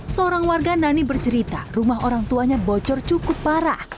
seorang warga nani bercerita rumah orang tuanya bocor cukup parah